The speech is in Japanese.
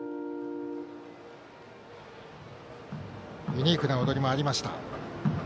ユニークな踊りもありました。